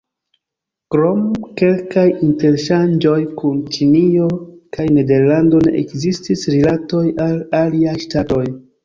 Krom kelkaj interŝanĝoj kun Ĉinio kaj Nederlando ne ekzistis rilatoj al aliaj ŝtatoj.